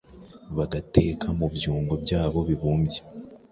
bagateka mu byungo byabo bibumbiye,